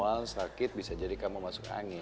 kalau mual sakit bisa jadi kamu masuk angin